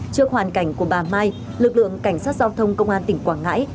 trước hoàn cảnh của bà mai lực lượng cảnh sát giao thông công an tỉnh quảng ngãi